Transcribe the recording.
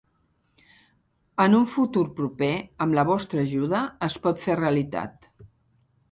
En un futur proper, amb la vostra ajuda, es pot fer realitat.